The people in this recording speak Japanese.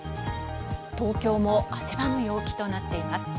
東京も汗ばむ陽気となっています。